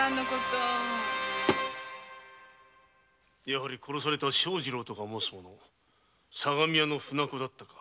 やはり殺された庄二郎とか申す者相模屋の船子だったか？